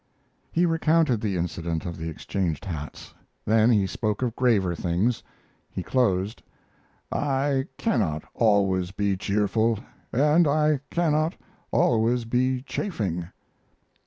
He recounted the incident of the exchanged hats; then he spoke of graver things. He closed: I cannot always be cheerful, and I cannot always be chaffing.